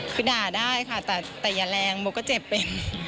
คือด่าได้ค่ะแต่อย่าแรงโบก็เจ็บเป็น